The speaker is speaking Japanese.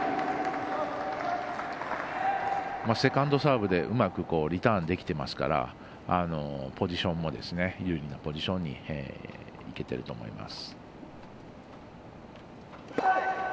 セカンドサーブでうまくリターンできていますからポジションも優位なポジションにいけていると思います。